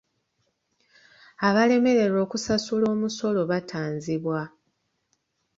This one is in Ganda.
Abalemererwa okusasula omusolo batanzibwa.